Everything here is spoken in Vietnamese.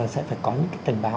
sẽ phải có những cái cảnh báo